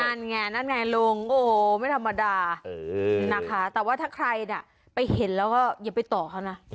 นั่นไงนั่นไงลุงโอ้โหไม่ธรรมดานะคะแต่ว่าถ้าใครน่ะไปเห็นแล้วก็อย่าไปต่อเขานะ